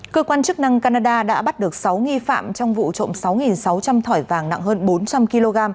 cơ quan chức năng canada đã bắt được sáu nghi phạm trong vụ trộm sáu sáu trăm linh thỏi vàng nặng hơn bốn trăm linh kg